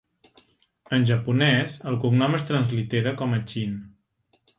En japonès, el cognom es translitera com a Chin.